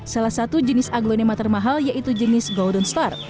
salah satu jenis aglonema termahal yaitu jenis golden star